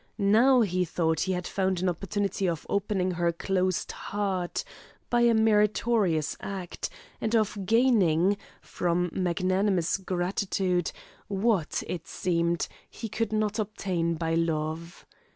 Now he thought he had found an opportunity of opening her closed heart, by a meritorious act, and of gaining, from magnanimous gratitude, what, it seemed, he could not obtain by love.